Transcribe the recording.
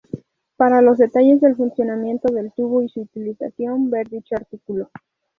Para los detalles del funcionamiento del tubo y su utilización ver dicho artículo.